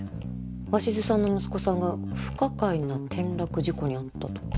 鷲津さんの息子さんが不可解な転落事故に遭ったとか。